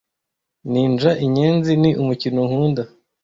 Ninja Inyenzi ni umukino nkunda.